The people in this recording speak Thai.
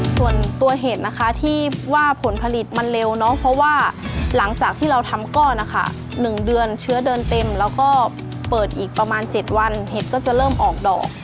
ส่วนตัวเห็ดนะคะที่ว่าผลผลิตมันเร็วเนอะเพราะว่าหลังจากที่เราทำก้อนนะคะ๑เดือนเชื้อเดินเต็มแล้วก็เปิดอีกประมาณ๗วันเห็ดก็จะเริ่มออกดอก